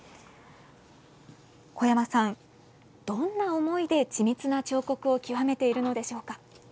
児山さん、どんな思いで緻密な彫刻を極めているのでしょうか。